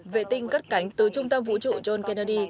vệ tinh cất cánh từ trung tâm vũ trụ john kennedy